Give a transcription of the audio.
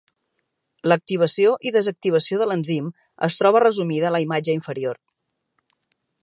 L'activació i desactivació de l'enzim es troba resumida a la imatge inferior.